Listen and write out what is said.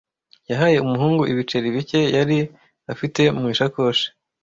Yahaye umuhungu ibiceri bike yari afite mu isakoshi.